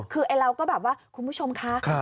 คือเราก็แบบว่าคุณผู้ชมคะ